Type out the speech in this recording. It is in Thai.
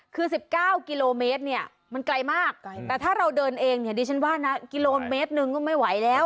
คือ๑๙กิโลเมตรเนี่ยมันไกลมากแต่ถ้าเราเดินเองเนี่ยดิฉันว่านะกิโลเมตรหนึ่งก็ไม่ไหวแล้ว